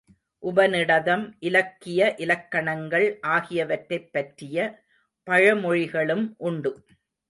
உபநிடதம், இலக்கிய இலக்கணங்கள் ஆகியவற்றைப் பற்றிய பழமொழிகளும் உண்டு.